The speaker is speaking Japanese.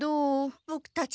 ボクたち